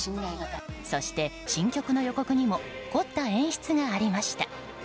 そして、新曲の予告にも凝った演出がありました。